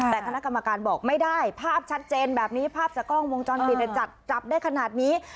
แต่คณะกรรมการบอกไม่ได้ภาพชัดเจนแบบนี้ภาพจากกล้องวงจรปิดจับได้ขนาดนี้